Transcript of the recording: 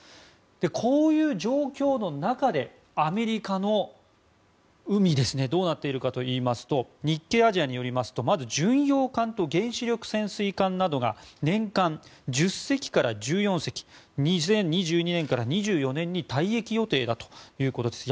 こういう状況の中でアメリカの海がどうなっているかというと日経アジアによりますとまず巡洋艦と原子力潜水艦などが年間１０隻から１４隻２０２２年から２４年に退役予定だということです。